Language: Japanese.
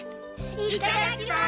いただきます。